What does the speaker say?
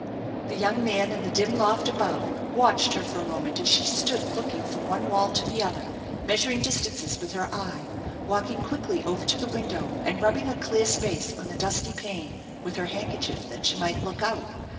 The young man in the dim loft above watched her for a moment as she stood looking from one wall to the other, measuring distances with her eye, walking quickly over to the window and rubbing a clear space on the dusty pane with her handkerchief that she might look out.